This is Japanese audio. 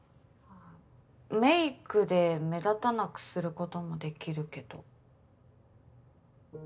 メイクで目立たなくすることもできるけど。